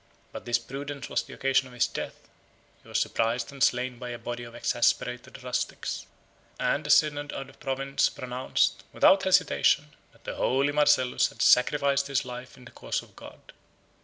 But this prudence was the occasion of his death: he was surprised and slain by a body of exasperated rustics; and the synod of the province pronounced, without hesitation, that the holy Marcellus had sacrificed his life in the cause of God.